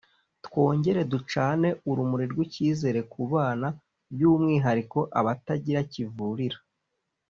twongere ducane urumuri rw’icyizere ku bana by’umwihariko abatagira kivurira